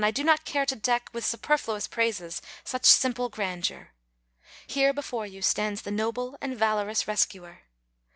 I do not care to deck, with superfluous praises, such simple grandeur. CIVIC VALOR 243 Here before you stands the noble and valorous rescuer.